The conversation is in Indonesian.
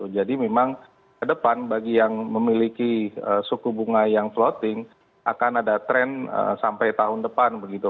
jadi memang ke depan bagi yang memiliki suku bunga yang floating akan ada tren sampai tahun depan begitu